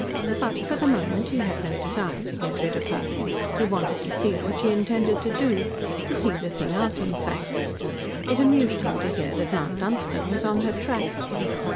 But, for the moment, he had no desire to get rid of her. He wanted to see what she intended to do to see the thing out, in fact. It amused him to hear that Mount Dunstan was on her track.